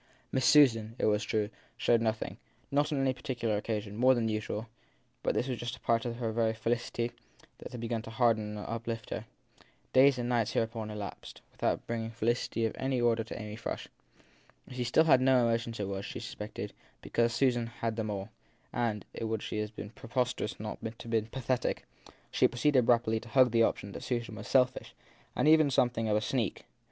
Miss Susan, it was true, showed nothing, on any particular occasion, more than usual; but this was just a part of the very felicity that had begun to harden and uplift her. Days and nights hereupon elapsed without bringing felicity of any order to Amy Frush. If she had no emotions it was, she suspected, because Susan had them all j and it would have been preposterous had it not been pathetic she pro ceeded rapidly to hug the opinion that Susan was selfish and even something of a sneak.